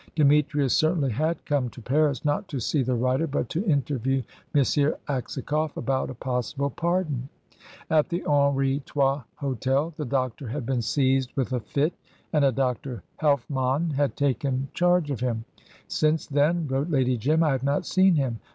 Demetrius certainly had come to Paris not to see the writer, but to interview M. Aksakoff about a possible pardon. At the Henri Trois Hotel the doctor had been seized with a fit, and a Dr. Helfmann had taken charge of him. "Since then," wrote Lady Jim, "I have not seen him.